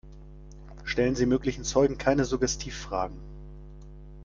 Stellen Sie möglichen Zeugen keine Suggestivfragen.